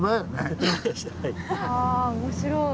あ面白い。